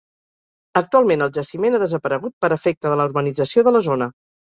Actualment, el jaciment ha desaparegut per efecte de la urbanització de la zona.